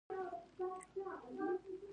شريف په دوربين کې وکتل سر يې وڅنډه.